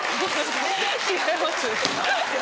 違います。